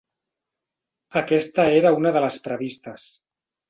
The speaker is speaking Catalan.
Aquesta era una de les previstes.